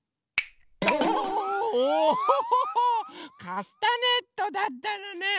カスタネットだったのね。